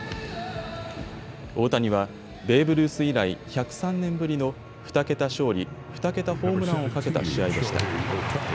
大谷は、ベーブ・ルース以来１０３年ぶりの２桁勝利、２桁ホームランをかけた試合でした。